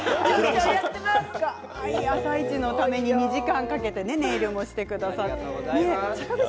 「あさイチ」のために２時間かけてネイルもしてくださいました。